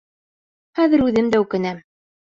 Хәҙер үҙем дә үкенәм.